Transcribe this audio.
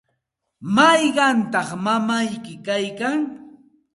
¿mayqantaq mamayki kaykan?